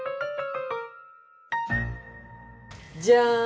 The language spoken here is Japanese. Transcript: じゃん！